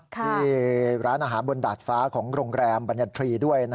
ที่ร้านอาหารบนดาดฟ้าของโรงแรมบรรยันทรีย์ด้วย